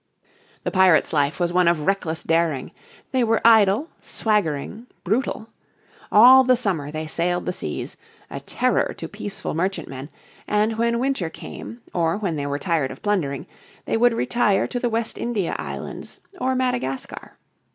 The pirates' life was one of reckless daring. They were idle, swaggering, brutal. All the summer they sailed the seas, a terror to peaceful merchantmen, and when winter came, or when they were tired of plundering, they would retire to the West India Islands or Madagascar.